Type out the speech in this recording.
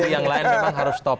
yang lain memang harus stop